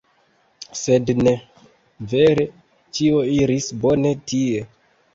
Sed ne. Vere, ĉio iris bone tie.